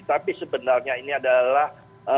tapi sebenarnya ini adalah